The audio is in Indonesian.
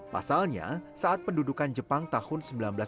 pasalnya saat pendudukan jepang tahun seribu sembilan ratus empat puluh